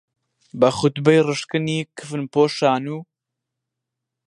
بە خوتبەی ڕشکنی کفنپۆشان و